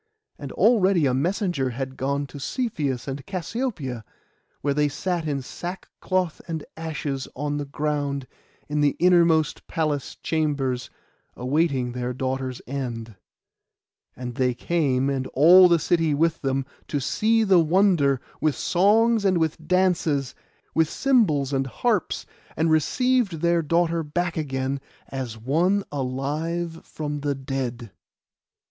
And already a messenger had gone to Cepheus and Cassiopoeia, where they sat in sackcloth and ashes on the ground, in the innermost palace chambers, awaiting their daughter's end. And they came, and all the city with them, to see the wonder, with songs and with dances, with cymbals and harps, and received their daughter back again, as one alive from the dead.